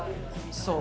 そう。